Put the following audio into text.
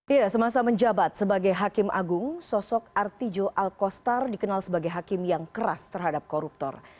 ya semasa menjabat sebagai hakim agung sosok artijo alkostar dikenal sebagai hakim yang keras terhadap koruptor